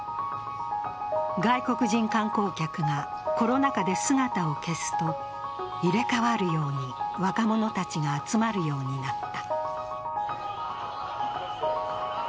外国人観光客がコロナ禍で姿を消すと、入れ替わるように若者たちが集まるようになった。